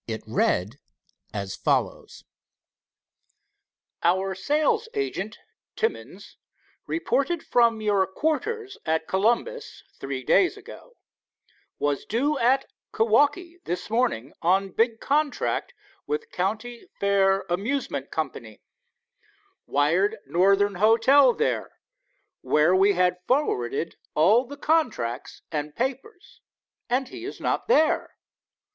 It read as follows: "Our sales agent, Timmins, reported from your quarters at Columbus three days ago. Was due at Kewaukee this morning on big contract with County Fair Amusement Co. Wired Northern Hotel there, where we had forwarded all the contracts and papers, and he is not there.